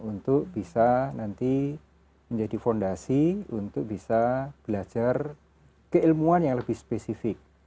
untuk bisa nanti menjadi fondasi untuk bisa belajar keilmuan yang lebih spesifik